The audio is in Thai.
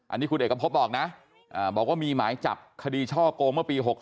อันนี้คุณเอกพบบอกนะบอกว่ามีหมายจับคดีช่อกงเมื่อปี๖๓